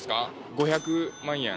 ５００万円。